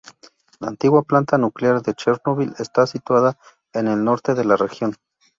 La antigua planta nuclear de Chernóbil estaba situada en el norte de la región.